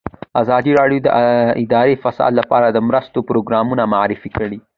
ازادي راډیو د اداري فساد لپاره د مرستو پروګرامونه معرفي کړي.